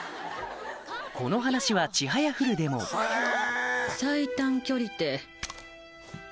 この話は『ちはやふる』でも最短距離て。